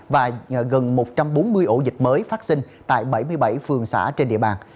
và gần một trăm bốn mươi ổ dịch mới phát sinh tại bảy mươi bảy phường xã trên địa bàn